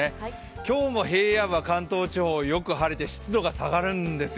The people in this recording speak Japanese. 今日も平野部は関東地方気温が下がって湿度が下がるんですよ。